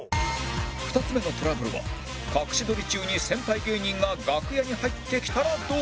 ２つ目のトラブルは隠し撮り中に先輩芸人が楽屋に入ってきたらどうする？